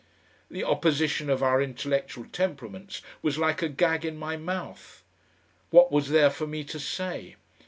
The opposition of our intellectual temperaments was like a gag in my mouth. What was there for me to say?